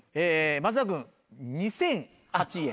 松田君２００８円？